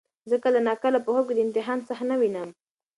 زه کله ناکله په خوب کې د امتحان صحنه وینم.